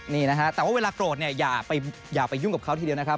นี่นะฮะแต่ว่าเวลาโกรธเนี่ยอย่าไปยุ่งกับเขาทีเดียวนะครับ